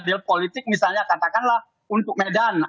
deal politik misalnya katakanlah untuk medan